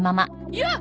よっ！